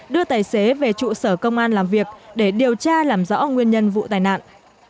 đưa tài xế về trụ sở công an làm việc để điều tra làm rõ nguyên nhân vụ tai nạn